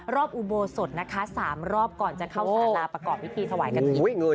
รอบอุโบสดนะคะ๓รอบก่อนจะเข้าศาลาประกอบวิธีสวายกะทิ